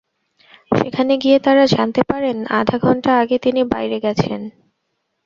সেখানে গিয়ে তাঁরা জানতে পারেন, আধা ঘণ্টা আগে তিনি বাইরে গেছেন।